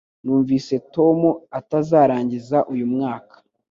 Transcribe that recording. Numvise Tom atazarangiza uyu mwaka